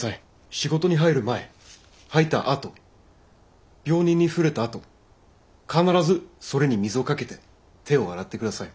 仕事に入る前入ったあと病人に触れたあと必ずそれに水をかけて手を洗って下さい。